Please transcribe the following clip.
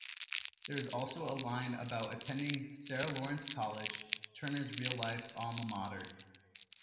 There is also a line about attending Sarah Lawrence College, Turner's real-life alma mater.